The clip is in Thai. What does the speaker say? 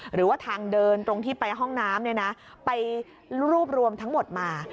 หรือว่าทางเดินตรงที่ไปห้องน้ำไปรวบรวมทั้งหมดมา